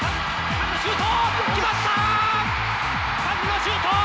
カズのシュート！